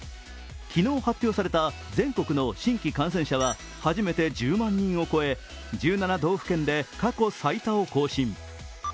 昨日発表された全国の新規感染者は初めて１０万人を超え、１７道府県で過去最多を更新。